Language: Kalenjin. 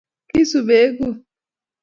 Kisobe’ kuut